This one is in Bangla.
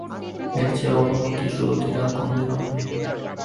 এর চেয়ে অবনতি সুরীতির আর কোনোদিন হয় নি।